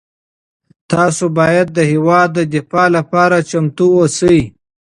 تاسو باید د هېواد د دفاع لپاره چمتو اوسئ.